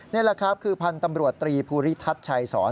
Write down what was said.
นี่แหละครับคือพันธ์ตำรวจตรีภูริทัศน์ชัยสอน